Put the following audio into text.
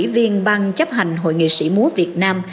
đang chấp hành hội nghệ sĩ múa việt nam